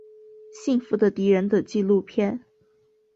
幸福的敌人的纪录片。